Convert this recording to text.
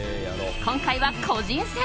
今回は個人戦。